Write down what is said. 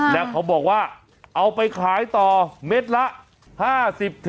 แล้วเค้าบอกเอาไปขายต่อเม็ดละ